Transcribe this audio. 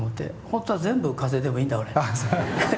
本当は全部風でもいいんだ俺。